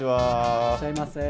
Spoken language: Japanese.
いらっしゃいませ。